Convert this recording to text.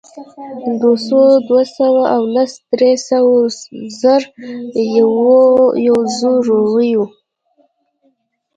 دوهسوه، دوه سوه او لس، درې سوه، زر، یوزرویو